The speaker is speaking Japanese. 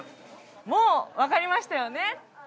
もう分かりましたよね